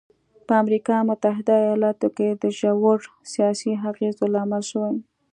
په امریکا متحده ایالتونو کې د ژورو سیاسي اغېزو لامل شوی.